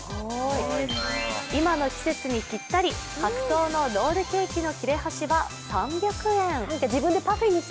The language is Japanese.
今の季節にぴったり、白桃のロールケーキの切れ端は３００円。